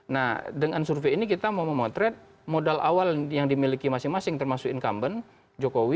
nah dengan survei ini kita mau memotret modal awal yang dimiliki masing masing termasuk incumbent jokowi